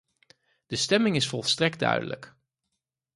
De stemming is volstrekt duidelijk.